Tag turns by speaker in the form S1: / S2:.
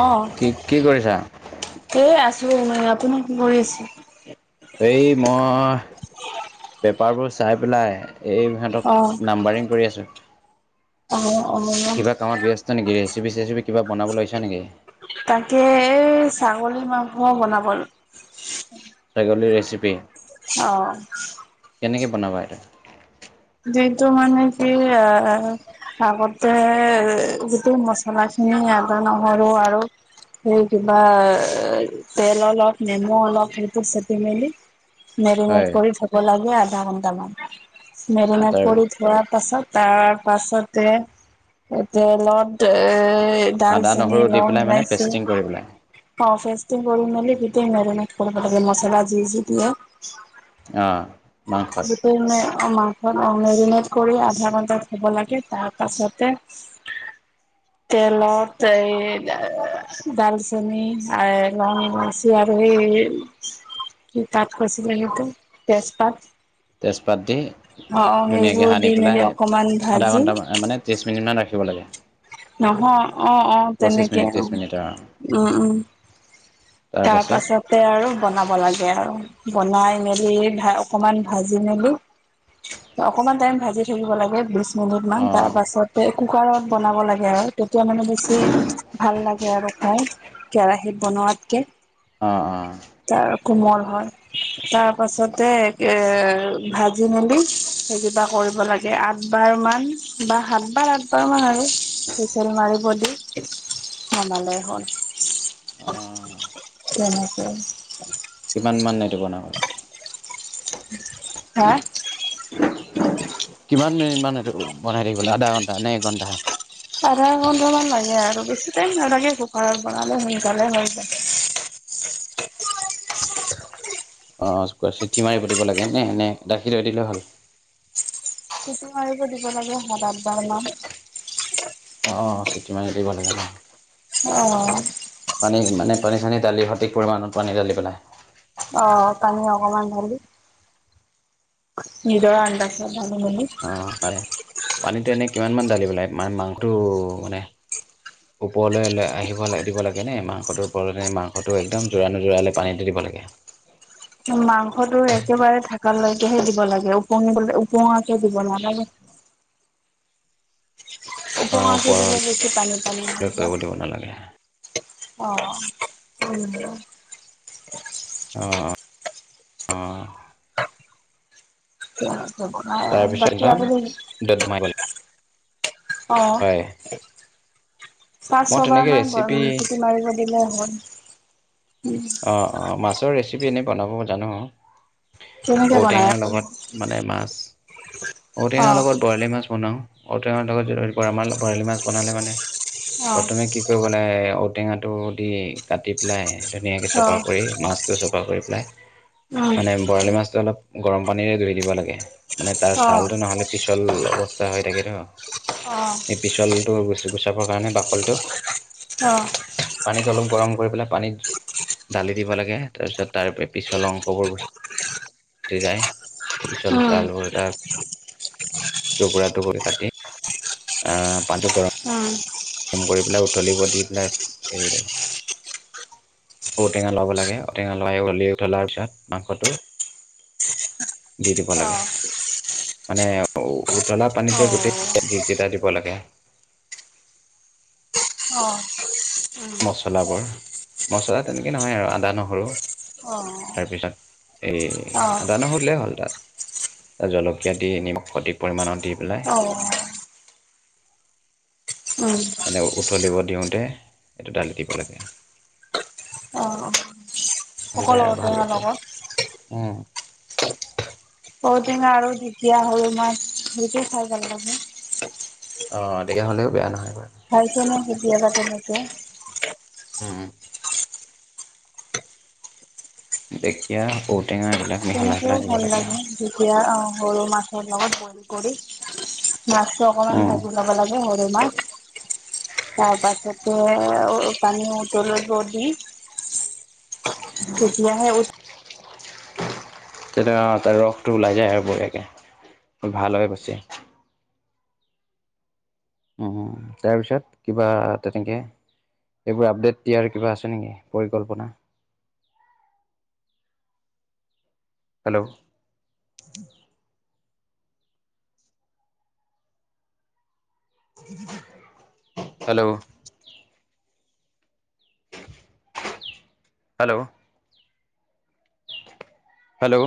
S1: অ'
S2: কি কি কৰিছা?
S1: আছে মানে আপোনাক কি কৰি আছে?
S2: এই মই পেপাৰবোৰ চাই পেলাই। ইহঁতক
S1: অ
S2: নাম্বাৰিং কৰি আছোঁ।
S1: অ অ
S2: কিবা কামত ব্যস্ত নেকি ৰেচিপি-চেচিপি কিবা বনাব লৈছা নেকি?
S1: তাকে এ ছাগলী মাংস বনাব আৰু।
S2: ছাগলীৰ ৰেচিপি
S1: অহ
S2: কেনেকে বনাবা এইটো?
S1: যিটো মানে কি এ ভাগত গোটেই মছলাখিনি আদ নহৰু আৰু সেই কিবা তেল অলপ নেমু অলপ সেইবোৰ চেপি মেলি। মেৰিনেট
S2: হয়
S1: কৰি থব লাগে আধা ঘন্টামান মেৰিনেট
S2: তাৰ
S1: কৰি থোৱা পাছত তাৰ পাছতে তলত এ দাল
S2: আদা
S1: চেনি
S2: নহৰু দি
S1: লং
S2: পেলাই মানে
S1: এলাইচি
S2: পেষ্টিং কৰি
S1: অ',
S2: পেলাই
S1: তাৰপিছত [unintelligible] মচলা জিজি দিয়ে।
S2: আহঁ মংস
S1: মাংস মেৰিনেট কৰি আধা ঘন্টা থব লাগে তাৰ পাছতে
S2: উ [inaudible]
S1: তেলত এ ডালচেনি লং ইলাইচি আৰু সেই কি তাত কছ জ তেজ পাত
S2: তেজপাত দি
S1: অ অ
S2: ধুনীয়াকৈ
S1: সেইবোৰ
S2: সানি
S1: দি মেলি
S2: পেলাই
S1: অকমান
S2: আধা
S1: ভাজি
S2: ঘণ্টান মানে ত্ৰিশ মিনিট মান ৰাখিব লাগে।
S1: নহয় অ-অ
S2: পঁচিছ
S1: তেনেকে
S2: মিনিট
S1: অ'
S2: ত্ৰিছ মিনিট অঁ
S1: উম-উম, তাৰ
S2: তাৰপাছত
S1: পাছতে আৰু বনাব লাগে আৰু। বনাই মেলি ভা অকমান ভাজি মেলি, অকমান টাইম ভাজি থাকিব লাগে বেছি। বহুতমান
S2: অঁ
S1: তাৰপাছতে কুকাৰত বনাব লাগে হয়। তেতিয়া মানে বেছি ভাল লাগে আৰু খাই কেৰাহিত বনোৱাতকে।
S2: অ-অ
S1: তাৰ কোমল হয়। তাৰ পাছতে এ ভাজি মেলি সেই কিবা কৰিব লাগে আধ বাৰ মান বা সাত বাৰ আাত বাৰ মান আৰু হুইচেল মাৰিব দি আমালৈ হ'ল।
S2: অঁ
S1: তেনেকে
S2: কিমান মান নাইটো বনাব
S1: হা
S2: কিমান বনাই থিবলে আধা ঘণ্টা নে এঘণ্টা।
S1: আধা ঘণ্টা মান লাগে আৰু বেছি ট নালাগে কুকাৰাৰত বনালে সোনকালে হৈ যায়।
S2: [unintelligible] অ', চিঠি মাৰি পতিব লাগে নে নে গাখীৰ ধৈ দিলে হল
S1: সুটু [unintelligible]
S2: অ', চিটি মাৰ দিব লাগে নহ
S1: অ',
S2: দালি সঠিক পৰিমাণত পানী ঢালি পেলাই
S1: অ', পানী অকমান ভঢালি নিদৰ আন্দাাজত
S2: অ, পানীতো এনে কিমান মান দঢালি বেলাই মান মাংসটো মানে ওপৰলৈ আহিব ল দিব লাগে নে মাংসটোৰ ওপৰ মাংসটো একদম জোৰা নো জোৰালে পানীতে দিব লাগে [inaudible]
S1: মাংসটো একেবাৰে থাকালৈকেহে দিব লাগে ওপঙিব ওঙাকে দিব নালাগে
S2: [inaudible] অ'
S1: দিল
S2: ওপৰলৈ
S1: বেছি পানী পানী হৈ
S2: কৰিব
S1: যায়
S2: দিব নালাগে
S1: অ', উম।
S2: অ', অ',। তাৰপিছত
S1: বাকি আ
S2: হয়
S1: [unintelligible] আহ, পাঁচ
S2: মই
S1: ছবাৰ
S2: তেনেকে
S1: মান
S2: ৰেচিপি
S1: চিটি মাৰিব দিলে হ'ল
S2: অ', অ মাছৰ ৰেচিপি এনেই বনাব জানো
S1: কেনেকে বনাই
S2: ঔটেঙাৰ
S1: আপুনি?
S2: লগত মানে মাছ। ঔটেঙাৰ
S1: অ',
S2: লগত বৰালি মাছ বনাওঁ। ঔটেঙাৰ লগত আমাৰ বৰালি মাছ বনালে মানে।
S1: অ',
S2: প্ৰথমে কি কৰিব লাগে ঔটেঙাটো দি কাটি পেলাই। ধুনীয়াকৈ
S1: অ'।
S2: চফা কৰি মাছটো চফা কৰি পেলাই
S1: অকল
S2: মানে বৰালি মাছটো অলপ। গৰম পানীৰে ধুই দিব লাগে মানে তাৰ ছালটো নহলে পিছল অৱস্থা হৈ থাকে তো এই পিছলটো হৈ গৈছো গুচাবৰ কাৰণে বাকলটো পানীত অলপ গৰম কৰি পেলাই পানীত। দালি দিব লাগে তাৰ পিছত তাৰ পিছল অংশ বোৰ গৈ চ যায় পিছল চালবৰে তাৰ টুকুৰা টুকুৰি কাটি আহ পানীটো গৰম কাম কৰি পেলাই উথলিব দি পেলাই এৰিল ঔটেঙা ল'ব লাগে ঔটেঙা লাই উলি উঠলাৰ পিছত মাংসটো দি দিব লাগে
S1: অ
S2: মানে উতলা পানীতে গোটেই যিকেইটা দিব লাগে। মচলাবোৰ মছলা তেনেকে নহয় আৰু আদা নহৰু তাৰপিছত এ আদা ন সুধিলে হ'ল তাত জলকীয়া দি নিমখ অধিক পৰিমাণত দি পেলাই
S1: অ',
S2: মানে উতলিব দিওঁতে এইটো দালি দিব লাগে
S1: অ',
S2: হৈ যায়
S1: সকলো
S2: আৰু ভাল
S1: ঔটেঙাৰ
S2: এতিয়া
S1: লগত
S2: উম।
S1: বদিনা আৰু যেতিয়া সৰু মাছ সেইকে খাই ভাল লাগে
S2: অ তেতিয়া হ'লেও বেয়া নহয়। বাৰু
S1: হয়ছেনে কেতিয়াবা তেনেকে।
S2: উম দেখিয়া ঔ টেঙা
S1: তেনেকেও ভাল লাগে দুখীয়া সৰু মাছৰ লগত বইল কৰি মাছটো অকমান
S2: উম,
S1: ভাজি লব লাগে সৰু মাছ তাৰ পাছতে পানী উতলিব দি। তেতিয়ােহে।
S2: তেতিয়া ত ৰসটো ওলাই যায় আৰু বঢীয়াকে ভাল হৈ গৈচে। উম তাৰপিছত কিবা তেনেকে এইবোৰ আপডেট দিয়াৰ কিবা আছে নেকি পৰিকল্পনা হেল্ল'। Hello hello hello